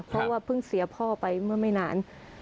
เพราะว่าเพิ่งเสียพ่อไปเมื่อไม่นาน